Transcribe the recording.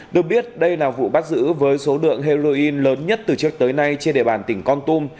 được biết đây là vụ bắt giữ với số lượng heroin lớn nhất từ trước tới nay trên địa bàn tỉnh con tum